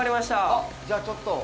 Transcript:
あっじゃあちょっと。